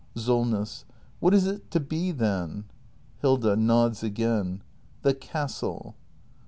SOLNESS. What is it to be then ? Hilda. [Nods again.] The castle.